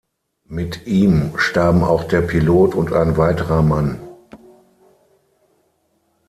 Mit ihm starben auch der Pilot und ein weiterer Mann.